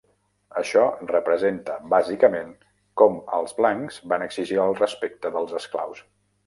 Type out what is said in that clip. Això representa bàsicament com els blancs van exigir el respecte dels esclaus.